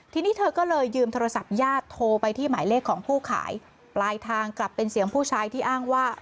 ทีนี้เธอก็เลยยืมโทรศัพท์ญาติโทรไปที่หมายเลขของผู้ขายปลายทางกลับเป็นเสียงผู้ชายที่อ้างว่า